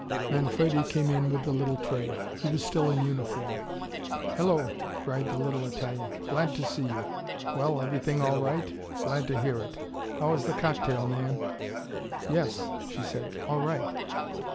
Manfredi came in with the little tray. He was still in uniform. "Hello!" cried the little Italian. "Glad to see you well, everything all right? Glad to hear it. How is the cocktail, Nan?" "Yes," she said. "All right."